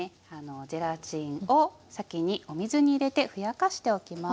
ゼラチンを先にお水に入れてふやかしておきます。